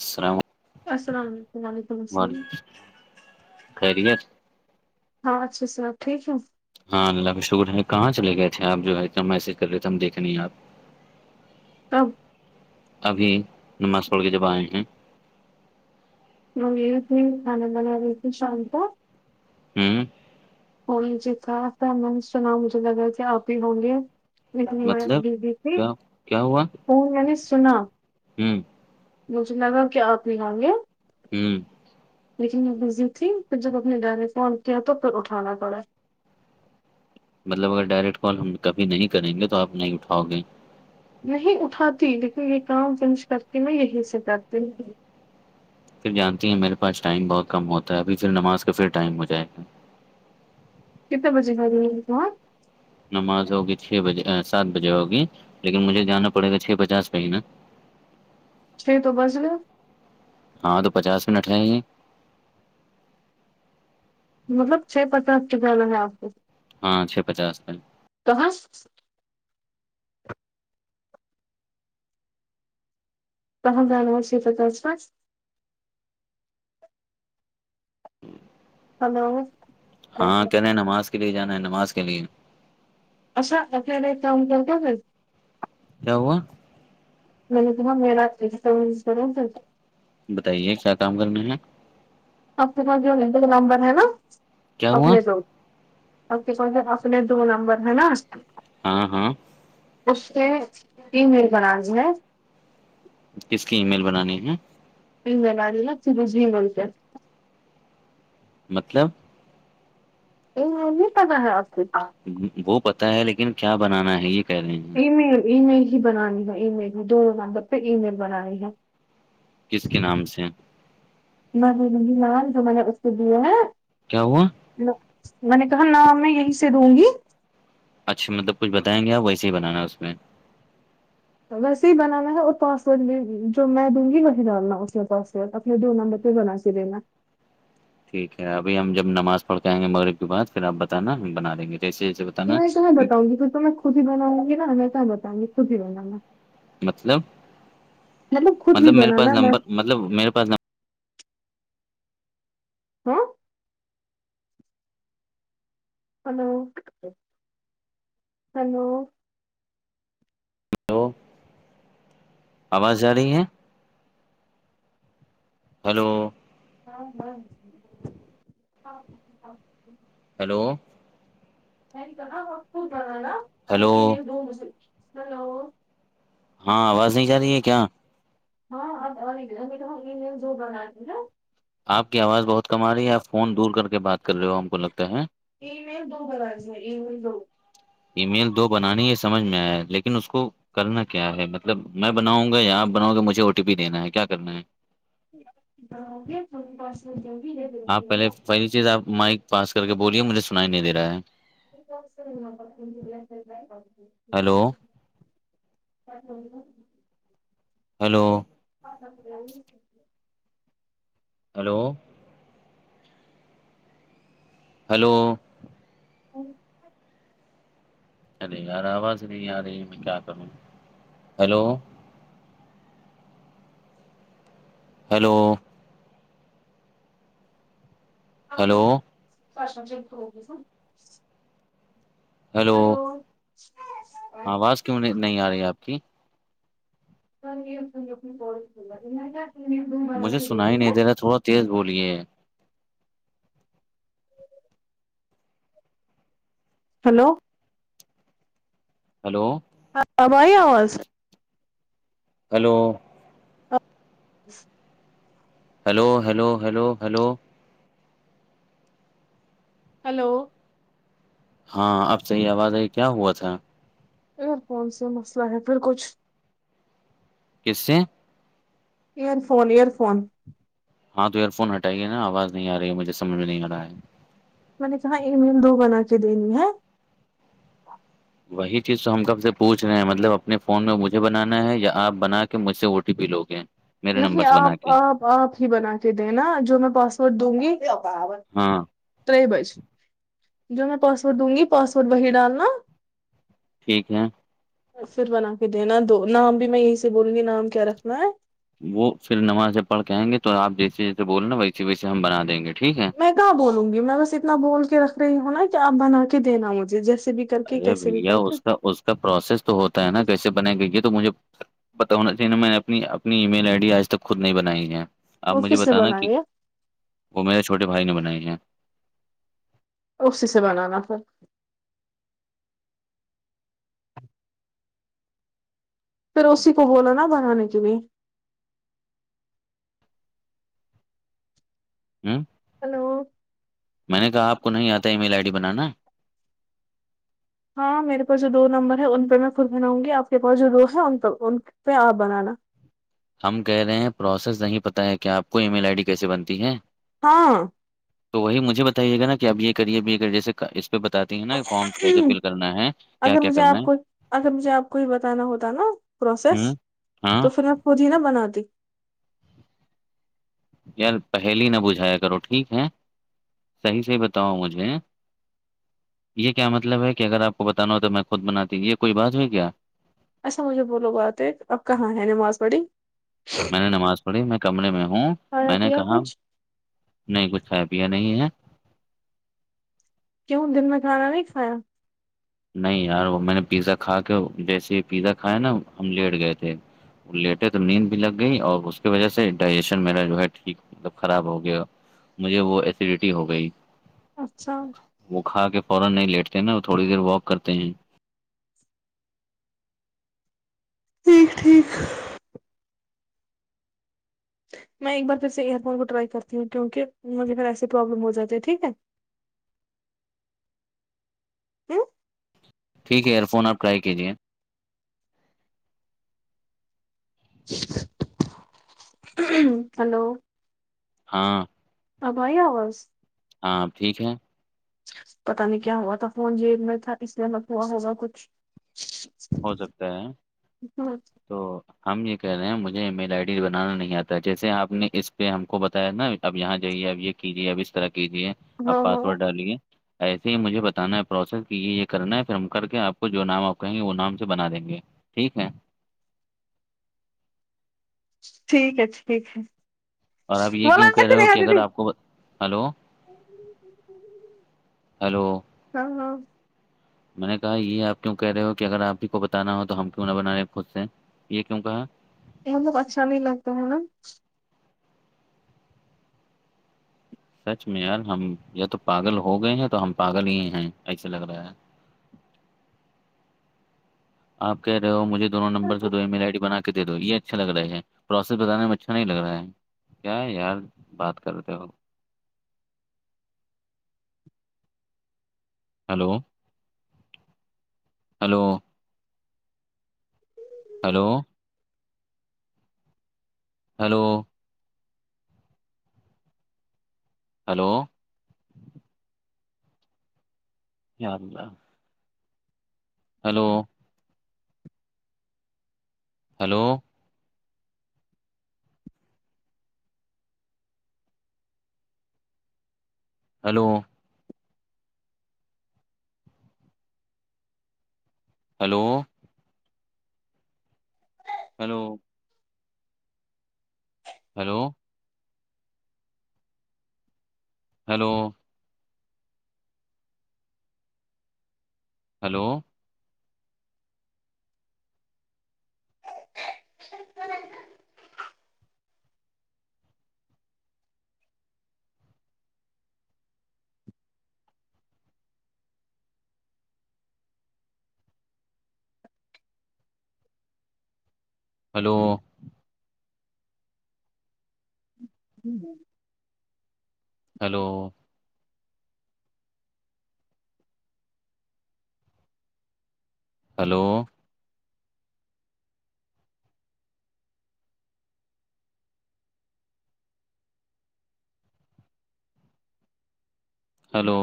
السلام السلام علیکم وعلیکم السلام علیکم خیریت ہاں اچھا سے آب ٹھیک ہوں ہاں اللہ کا شکر ہے کہاں چلے گئے تھے آپ جو میسیج کر رہے تھ ہم دیکھنی آپ اب ابھی نماز پڑھ کے جب آئے ہیں یہ تھ کھانا بناے تھی شام کا ہوں وہ جی خاس میں نے سنا مجھے لگا کہ آپ بھی ہوں گے مطلب کیا [inaudible] ہوں مجھ لگا کیا آپ نکھالیں گے ہوں لیکن میں بزی تھی پھر جب اپنے ڈائرک فون کیا تو پھر اٹھانا پڑا مطلب اگر ڈائریکٹ کال ہم کبھی نہیں کریں گے تو آپ نہیں اٹھاؤ گے نہیں اٹھاتی لیکن یہ کام فنش کر کے میں یہی سے کرتی ہوں پھر جانتی ہیں میرے پاس ٹائم بہت کم ہوتا ہے ابھی پھر نماز کا پھر ٹائم ہو جائے گا کتنے بجے گ رہ تو نماز ہوگی چھ بجے سات بجے ہوگی لیکن مجھے جانا پڑے گا چھ پچاس پہ ہی نا چھ تو بجگے ہاں تو پچاس منٹ ہے گی مطلب چھ پچاس کے جانا ہے آپ کو ہاں چھ پچس پ تو [unintelligible] ہاںر نو شی پ تھا اسم ہلو ہاں کہنے ہیں نماز کے لیے جانا ہے نماز کے لیے اا اخیر ایک کام کرتا [unintelligible] کیاہوا م نے تا ما س کر چلتے [unintelligible] بتائیے کیا کام کرنے ہیں اپ کے پاس جو ل نمبر ہے نا کیا ہوا اپلےز ا کو سے انے دو نمبر ہے نا اس [unintelligible] ہاں ہاں اس سے تیں رل بنانی ہے کس کی ای میل بنانی ہے جگ ل آ ل ت جگنتے [unintelligible] مطلب ا انتا کہ ہے اس تو [unintelligible] وہ پتا ہے لیکن کیا بنانا ہے یہ کہہ رہے ہیں ای مل ای میل ہی بنانی ہے ای مل ہی دو نمبر پ ای میل بنانی ہے کس کے نام سے م نہیں می ن جو میں نے اس کے دیے ہیں کیا ہوا میں نے کہا نہ میں یہی سے دوں گی اچھا مطلب کچھ بائیں گے آپ ویے ہی بنانا اس میں ویسے ہی بنانا ہے اور پاسورڈ بھی جو میں دوں گی وہی ڈالنا اس میں پاسورڈ ا ہ دو نم پگنااس رہے نا ٹھیک ہے ابھی ہم جب نماز پڑھ کےئیں گے مغرب کے بع پھر آپ بتا بنا دیں گے جیسے جیسے بتانا میں تمہیں بؤ گی پھر تو میں خود ہی بناؤں گی نا میں تو بؤ گی خود ہی بنانا مطلب خود ہی مطلب میرے پاس بنانا میں نمبر مطلب میرے پاس نمبر ہاں ہلو ہلو ہو آواز جا رہی ہے ہیلو ہاں ہاںاں [unintelligible] ہیلو نہیں پ پرا ہلو د م سے ہلو [unintelligible] ہاں آواز نہیں جا رہی ہے کیا ہاں آپ تو جو بنااتتی نا آپ کی آواز بہت کم آ رہی ہے آپ فون دور کر کے بات کر رہے ہو ہم کو لگتا ہے ای میل دو کرائس ہیں ای مل دو ای میل دو بنانی یہ سمجھ میں آئے لیکن اس کو کرنا کیا ہے مطلب میں بناؤں گا یا آپ بناؤ گے مجھے او ٹی پی دینا ہے کیا کرنا ہے آپ پہلے [inaudible] پہلی چیز آپ مائک پا کر کے بولیے مجھے سننا ہی نہیں دے رہا ہے ہیلو [inaudible] [inaudible] ہیلو ہاں ہیلو ہیلو ارے یار اواز نہیں ارہی ہے میں کیا کروں hello hello hello [inaudible] hello hello آواز کیوں نہیں آ رہی ہے آپ کی [inaudible] مجھے سنائی نہیں دے رہا تھوڑا تیز بولیے [inaudible] ہیلو ہیلو اب آئی آواز hello [inaudible] hello hello hello hello hello ہاں اب صحیح آواز آئی کیا ہوا تھا ایئر فون سے مسئلہ ہے پھر کچھ کس سے ایئر فون ایئر فون ہاں تو ایئر فون ہٹائیے نا آواز نہیں آ رہی ہے مجھے سمجھ نہیں آ رہا ہے میں نے کہاں ای میل دو بنا کے دینی ہے وہی چیز تو ہم کب سے پوچھ رہے ہیں مطلب اپنے فون میں مجھے بنانا ہے یا آپ بنا کے کہ مجھ سے او ٹی پی لو گے میرے نمبر نہیں سے بنا آپ کے آپ آپ ہی بنا کے دینا جو میں پاسورڈ دوں گی ہاں جو میں پاسورڈ دوں گی پاسورڈ وہی ڈالنا ٹھیک ہے پھر بنا کے دینا دو نام بھی میں یہی سے بولوں گی نام کیا رکھنا ہے وہ پھر نماز پڑھ کے آے گے تو آپ جیسے جیسے بولو نا ویسے ویسے ہم بنا دیں گے ٹھیک ہے میں کہاں بولوں گی میں بس اتنا بول کے رکھ رہی ہوں نا کہ آپ بنا کے دینا مجھے جیسے بھی کر کے ارے کیسے بھی بھیا کر کے اس کا اس کا پروسیس تو ہوتا ہے نا کیسے بنائی گئی ہے تو مجھے پتا ہونا چاہے میں نے اپنی اپنی ای میل آئی ڈی آج تک خود نہیں بنائی ہے آپ وہ مجھے کس سے بتانا کہ بنائیے وہ میرے چھوٹے بھائی نے بنائے ہیں اسی سے بنانا پھر پھر اسی کو بولو نا بنانے کے لیئے ہوں ہیلو میں نے کہا آپ کو نہیں آتا ای میل آئی ڈی بنانا ہاں میرے پاس جو دو نمبر ہے ان پہ میں خود بناؤں گی آپ کے پاس جو دو ہے ان ان پہ آپ بنانا ہم کہہ رہے ہیں پروسیس نہیں پتہ ہے کیا آپ کو ای میل آئی ڈی کیسے بنتی ہے ہاں تو وہی مجھے بتائیے گا نا کہ آب یہ کریے بھی یہ کرے جیسے پہ بتاتی ہیں نا فارمس کیسے فل کرنا ہے کیا اگر کیا مجھے کرنا آپ ہے کو اگر مجھے آپ کو یہ بتانا ہوتا نا پروسیس ہ تو ہاں پھر میں خود ہی نہ بنات دی یار پہل ہی نہ بجھایا کرو ٹھیک ہے صحیح سےحی بتاؤ مجھے یہ کیا مطلب ہے کہ اگر آپ کو بتانا ہو تو میں خود بناتی ہوں یہ کوئی بات ہوئی کیا اچھا مجھے بولو بات ہے اپ کہاں ہے نماز پڑی میں نے نماز پڑھی میں کمرے میں ہوں کھایا میں نے پیا کہا کچھ نہیں کچھ ہے بیا نہیں ہے کیوں دن میں کھانا نہیں کھایا نہیں یار وہ میں نے پیزا کھا کے جیسے ہی پیزا کھایا نا ہم لیٹ گئے تھے لیٹے تو نیند بھی لگ گئی اور اس کی وجہ سے ڈائجیشن میرا جو ہے ٹھیک مطلب خراب ہو گیا مجھے وہ ایسیڈیٹی ہو گئی اچھا وہ کھا کے فورا نہیں لیٹتے ہیں نا تھوڑی دیر واک کرتے ہیں ٹھیک ٹھیک میں ایک بار پھر سے ایئر فون کو ٹرائی کرتی ہوں کیوں کہ مجھے پھر ایسے پروابلم ہو جاتے ہے ٹھیک ہے [unintelligible] ٹھیک ہے ایئر فون آپٹرائی کییے ہلو ہاں ا بھائی آواز ہاں ٹھیک ہے پتا نہیں کیا ہوا تھا فون جیب میں تھا اس لیے مت ہوا ہوگا کچھ ہو سکتا ہے ہاں تو ہم یہ کہہ رہے ہیں مجھے ای میل آئی ڈی بنانا نہیں آتا ہے جیسے آپ نے اس پہ ہم کو بتایا نا اب یہاں جائیے اب یہ کیجیے اب اس طرح کیجیے آپ ہاں پاسورڈ ڈالے ایسے ہی مجھے بتانا ہے پروسیس کہ یہ یہ کرنا ہے پھر ہم کر کے آپ کو جو نام آپ کہیں گے وہ نام سے بنا دیں گے ٹھیک ہے ٹھیک ا ٹھیک ہے اور آپ یہ بولا کیوں کہہ ایسے رہے ہو نہیں کہ اگر دیدی آپ کو ہلو ہیلو ہاں ہاں میں نے کہا یہ آپ کیوں کہہ رہے ہو کہ اگر آپ ہی کو بتانا ہو تو ہم کیوں نہ بنا رہے خود سے یہ کیوں کہا پچشا نہیں لگتا ہے نا سچ میں یار ہم یا تو پاگل ہو گئے ہیں تو ہم پاگل ہی ہیں ایسے لگ رہا ہے آپ کہہ رہے ہو مجھےون نمبر سے دو ایل آئی ڈی بنا کے دے دو یہ اچھے لگ رہا ہے پروسیس بتانے میں اچھا نہیں لگ رہا ہے کیا یار بات کر رہے ہو hello hello hello hello hello یاارلہ hello hello hello hello hello hello hello hello [inaudible] hello [inaudible] hello hello hello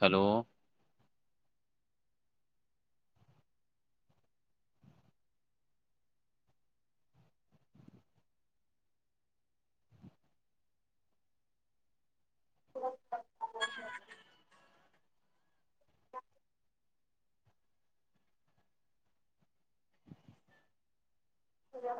hello [unintelligible] جب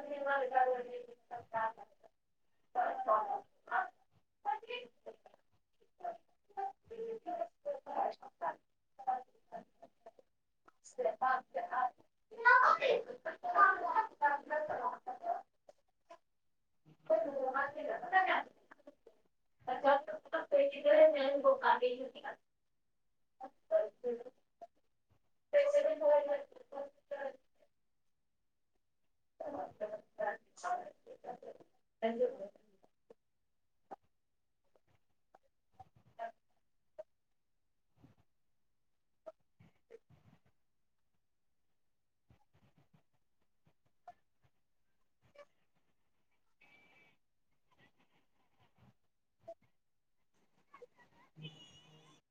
[unintelligible] ہاں [unintelligible] [unintelligible] [unintelligible] تھینک یو [unintelligible]